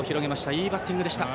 いいバッティングでした。